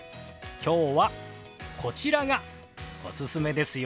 今日はこちらがおすすめですよ。